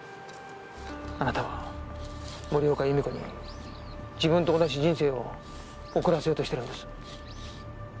あなたは森岡弓子に自分と同じ人生を送らせようとしてるんです。